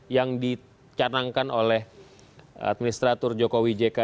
yang dicanangkan oleh administrator joko widjeka